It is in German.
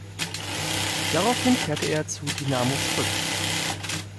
Daraufhin kehrte er zu Dinamo zurück.